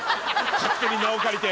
勝手に名を借りて。